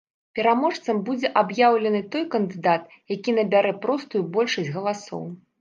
Пераможцам будзе аб'яўлены той кандыдат, які набярэ простую большасць галасоў.